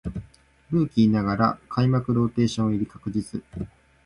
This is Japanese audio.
ルーキーながら開幕ローテーション入り確実